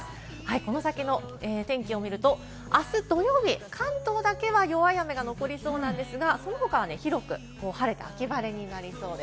この先の天気を見ると、あす土曜日、関東だけは弱い雨が残りそうですが、その他は広く晴れて秋晴れになりそうです。